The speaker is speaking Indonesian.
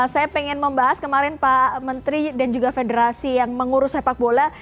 saya ingin membahas kemarin pak menteri dan juga federasi yang mengurus sepak bola